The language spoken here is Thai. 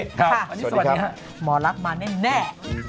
สวัสดีครับหมอลักษณ์มาแน่